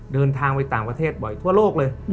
เดินทางไปต่างประเทศบ่อยทั่วโลกเลย